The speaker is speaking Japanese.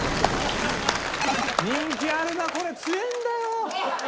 人気あるなこれ強えんだよ。